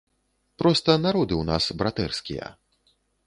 Проста народы ў нас братэрскія.